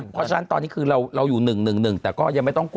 เพราะฉะนั้นตอนนี้คือเราอยู่๑๑๑แต่ก็ยังไม่ต้องกลัว